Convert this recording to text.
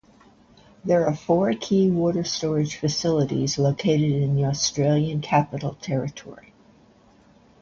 There are four key water storage facilities located in the Australian Capital Territory.